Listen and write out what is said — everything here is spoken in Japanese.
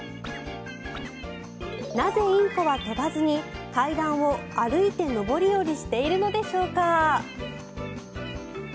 なぜインコは飛ばずに階段を歩いて上り下りしているのでしょうか。